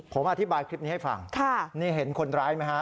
ผมอธิบายคลิปนี้ให้ฟังนี่เห็นคนร้ายไหมฮะ